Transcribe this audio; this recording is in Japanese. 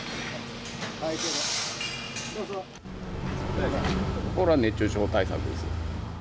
これは、熱中症対策です。